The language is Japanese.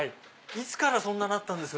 いつからそんななったんです